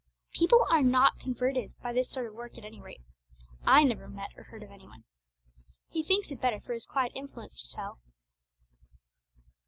People are not converted by this sort of work; at any rate, I never met or heard of any one. 'He thinks it better for his quiet influence to tell!'